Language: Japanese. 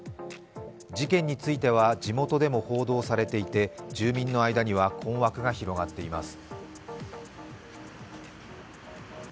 事件については地元でも報道されていて、住民の間には困惑が広がっています。